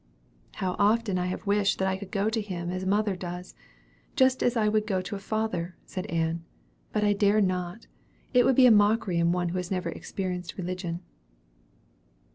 '" "How often I have wished that I could go to Him as mother does just as I would go to a father!" said Ann. "But I dare not. It would be mockery in one who has never experienced religion."